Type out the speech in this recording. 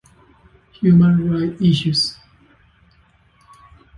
Human-Right Issues".